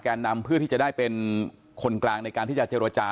นำเพื่อที่จะได้เป็นคนกลางในการที่จะเจรจา